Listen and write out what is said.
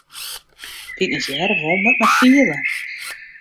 Dy't net hearre wol, moat mar fiele.